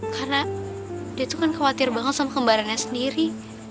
karena dia tuh kan khawatir banget sama kembarannya sendiri